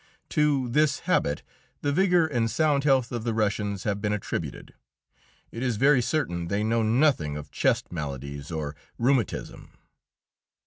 To this habit the vigour and sound health of the Russians have been attributed. It is very certain they know nothing of chest maladies or rheumatism.